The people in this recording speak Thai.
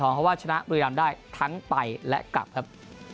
เพราะว่าชนะบุรีรำได้ทั้งไปและกลับครับ